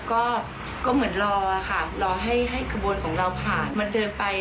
ก็เหมือนรอรอให้ขบวนของเราผ่านมาเดินไป